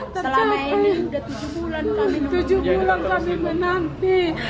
selama ini sudah tujuh bulan kami menanti